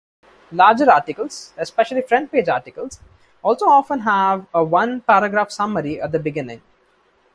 Larger articles, especially front-page articles, also often have a one-paragraph summary at the beginning.